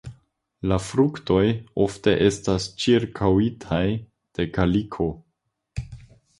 La fruktoj ofte estas ĉirkaŭitaj de kaliko.